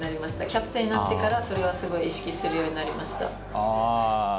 キャプテンになってからそれはすごい意識するようになりました。